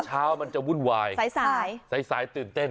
เช้ามันจะวุ่นวายสายสายตื่นเต้น